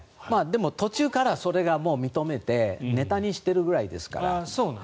でも途中からはそれを認めてネタにしているぐらいですから。